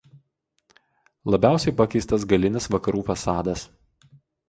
Labiausiai pakeistas galinis vakarų fasadas.